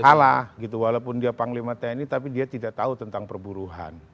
salah gitu walaupun dia panglima tni tapi dia tidak tahu tentang perburuhan